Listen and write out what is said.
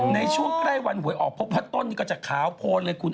ในช่วงใกล้วันหวยออกพบว่าต้นนี่ก็จะขาวโพนเลยคุณ